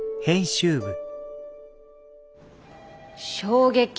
「衝撃！